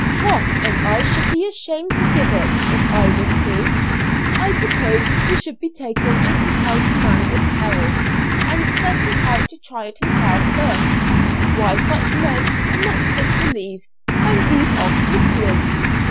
"Troth, and I should be ashamed to give it if I was he; I propose he should be taken and compelled to marry a 'tail,' and sent out to try it himself first; why such men are not fit to live, and these are Christians!